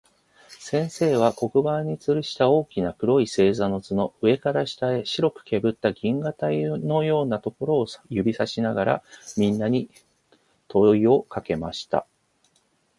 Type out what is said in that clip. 先生は、黒板に吊つるした大きな黒い星座の図の、上から下へ白くけぶった銀河帯のようなところを指さしながら、みんなに問といをかけました。